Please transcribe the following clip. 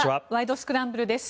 スクランブル」です。